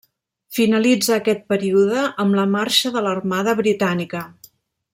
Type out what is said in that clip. Finalitza aquest període amb la marxa de l'armada britànica.